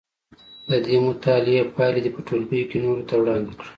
د دې مطالعې پایلې دې په ټولګي کې نورو ته وړاندې کړي.